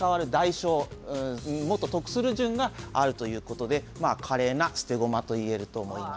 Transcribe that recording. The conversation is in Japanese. もっと得する順があるということで華麗な捨て駒と言えると思います。